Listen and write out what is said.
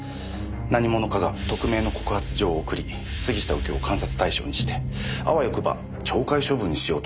何者かが匿名の告発状を送り杉下右京を監察対象にしてあわよくば懲戒処分にしようと狙っている。